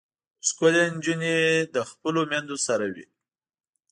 ښکلې نجونې له خپلو میندو سره وي.